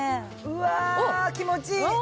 うわ気持ちいい！